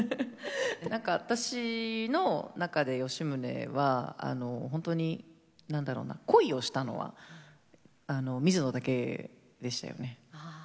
何か私の中で吉宗は本当に何だろうな恋をしたのは水野だけでしたよね。